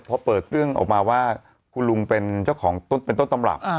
พอเปิดเรื่องออกมาว่าคุณลุงเป็นเจ้าของต้นเป็นต้นตำรับ